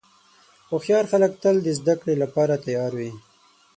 هوښیار خلک تل د زدهکړې لپاره تیار وي.